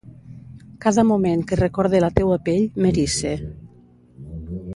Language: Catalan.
Cada moment que recorde la teua pell, m’erice.